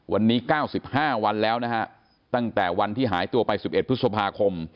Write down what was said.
วันนี้๙๕วันแล้วนะฮะตั้งแต่วันที่หายตัวไป๑๑พฤษภาคม